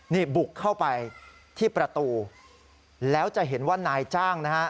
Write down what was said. นี่บุกเข้าไปที่ประตูแล้วจะเห็นว่านายจ้างนะฮะ